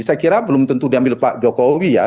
saya kira belum tentu diambil pak jokowi ya